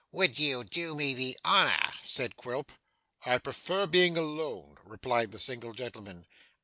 'Would you do me the honour?' said Quilp. 'I prefer being alone,' replied the single gentleman.